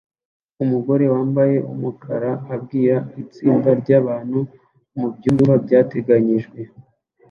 Umugore wambaye umukara abwira itsinda ryabantu mubyumba byateganijwe